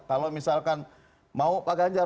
kalau misalkan mau pak ganjar